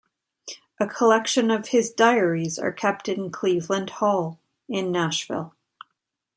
A collection of his diaries are kept in Cleveland Hall, in Nashville.